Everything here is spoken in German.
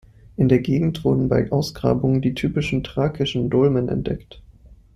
In der Gegend wurden bei Ausgrabungen die typischen thrakischen Dolmen entdeckt.